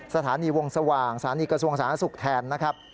สถานีวงสว่างสถานีกระทรวงสาธารณสุขแทนนะครับ